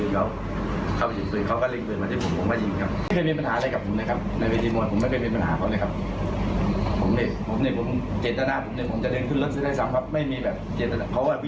ก็วิ่งกับรถไม่ได้